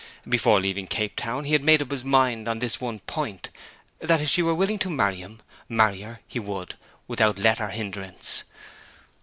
Before leaving Cape Town he had made up his mind on this one point; that if she were willing to marry him, marry her he would without let or hindrance.